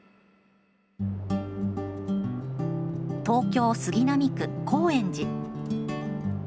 東京・杉並区高円寺。